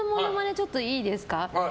ちょっといいですか。